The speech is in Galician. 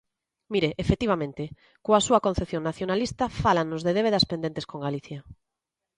Mire, efectivamente, coa súa concepción nacionalista fálanos de débedas pendentes con Galicia.